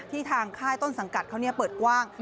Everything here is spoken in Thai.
ทางค่ายต้นสังกัดเขาเปิดกว้าง